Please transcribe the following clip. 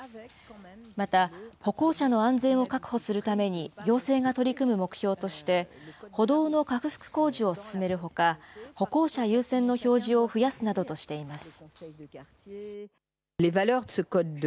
また、歩行者の安全を確保するために、行政が取り組む目標として、歩道の拡幅工事を進めるほか、歩行者優先の表示を増やすなどとしています。